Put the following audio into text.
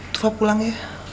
tufa pulang ya